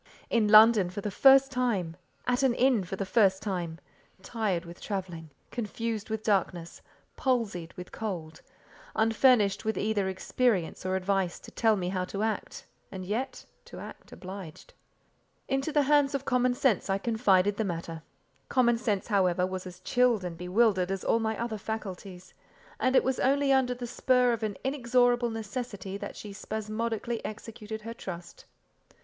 In London for the first time; at an inn for the first time; tired with travelling; confused with darkness; palsied with cold; unfurnished with either experience or advice to tell me how to act, and yet—to act obliged. Into the hands of common sense I confided the matter. Common sense, however, was as chilled and bewildered as all my other faculties, and it was only under the spur of an inexorable necessity that she spasmodically executed her trust.